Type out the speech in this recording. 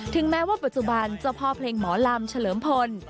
แม้ว่าปัจจุบันเจ้าพ่อเพลงหมอลำเฉลิมพล